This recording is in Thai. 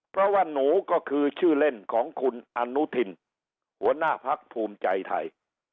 เพราะว่าหนูก็คือชื่อเล่นของคุณอนุทินหัวหน้าพักภูมิใจไทย